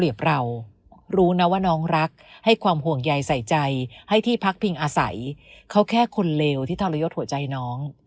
ยกหัวใจน้อง